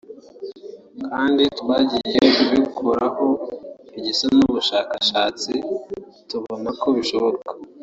kandi twagiye tubikoraho igisa n’ubushakashatsi tubona ko bishoboka”